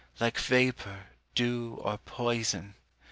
Like vapour, dew, or poison.